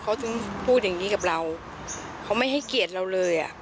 เขาพูดกับเราไม่ให้เกลียดเราเลย